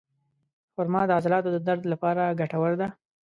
خرما د عضلاتو د درد لپاره ګټوره ده.